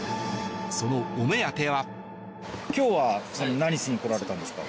そのお目当ては。